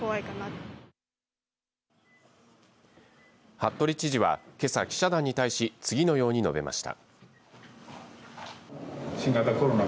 服部知事は、けさ、記者団に対し次のように述べました。